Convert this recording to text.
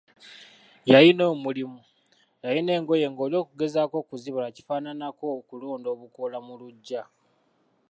Yalina omulimu, yalina engoye ng'oli okugezaako okuzibala kifaananako okulonda obukoola mu luggya.